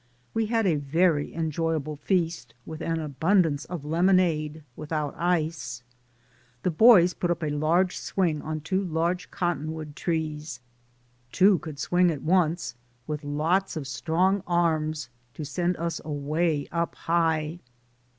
We had a very enjoyable feast, with an abundance of lemonade without ice. The boys put up a large swing on two large cottonwood trees; two could swing at once, with lots of strong arms to send us away up high.